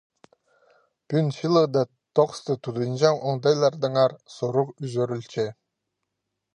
Пӱӱн чыылығда тоғыста тудынҷаң оңдайлардаңар сурығ ӱзӱрілче.